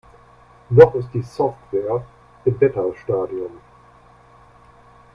Noch ist die Software im Beta-Stadium.